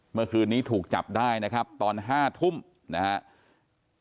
เมื่อคืนนี้ถูกจับได้นะครับตอน๕ทุ่มนะครับ